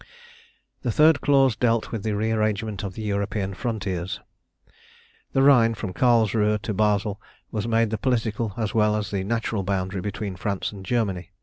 The third clause dealt with the rearrangement of the European frontiers. The Rhine from Karlsruhe to Basle was made the political as well as the natural boundary between France and Germany.